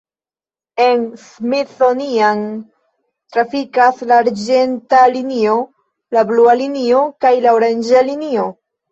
En Smithsonian trafikas la arĝenta linio, la blua linio kaj la oranĝa linio.